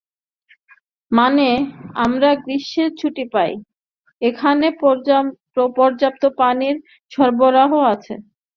মানে, আমরা গ্রীষ্মের ছুটি পাই, এখানে পর্যাপ্ত পানির সরবরাহ আছে।